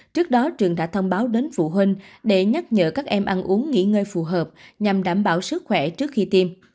trước đó trường đã thông báo đến phụ huynh để nhắc nhở các em ăn uống nghỉ ngơi phù hợp nhằm đảm bảo sức khỏe trước khi tiêm